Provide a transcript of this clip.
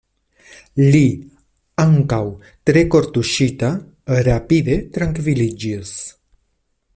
Li, ankaŭ tre kortuŝita, rapide trankviliĝis.